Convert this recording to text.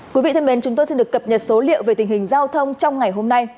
quý vị thân mến chúng tôi xin được cập nhật số liệu về tình hình giao thông trong ngày hôm nay